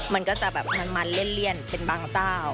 มันก็จะแบบมันเลี่ยนเป็นบางเจ้า